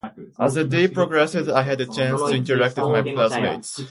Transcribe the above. As the day progressed, I had the chance to interact with my classmates.